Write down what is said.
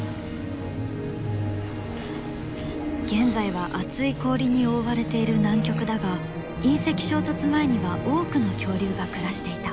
現在は厚い氷に覆われている南極だが隕石衝突前には多くの恐竜が暮らしていた。